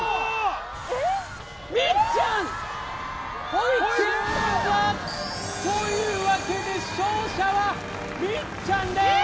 ほいけんた！というわけで勝者はみっちゃんでーす！